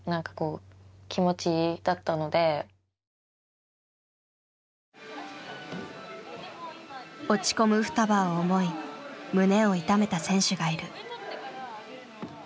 自分がこう落ち込むふたばを思い胸を痛めた選手がいる。